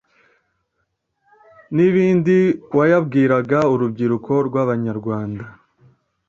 n’ibindi) wayabwiraga urubyiruko rw’abanyarwanda